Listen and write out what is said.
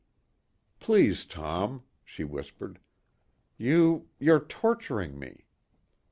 "Please, Tom," she whispered. "You ... you're torturing me."